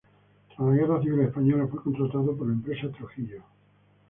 Tras la guerra civil española fue contratado por la empresa Trujillo.